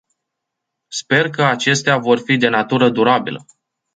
Sper că acestea vor fi de natură durabilă.